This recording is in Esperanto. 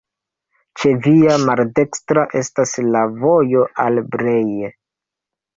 Ĉe via maldekstra estas la vojo al Brej.